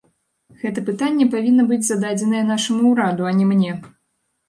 Гэта пытанне павінна быць зададзенае нашаму ўраду, а не мне.